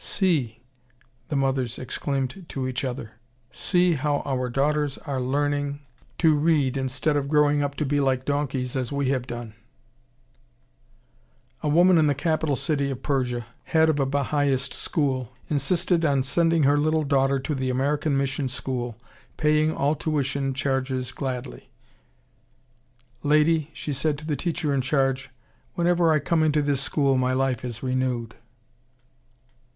"See," the mothers exclaimed to each other, "see how our daughters are learning to read, instead of growing up to be like donkeys as we have done!" A woman in the capital city of Persia, head of a Bahaist school, insisted on sending her little daughter to the American mission school, paying all tuition charges gladly. "Lady," she said to the teacher in charge, "whenever I come into this school my life is renewed."